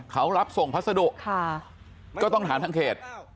เขารับส่งพัสดุก็ต้องถามทางเขต